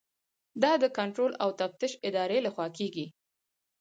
دا د کنټرول او تفتیش ادارې لخوا کیږي.